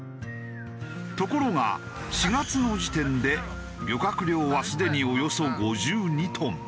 ところが４月の時点で漁獲量はすでにおよそ５２トン。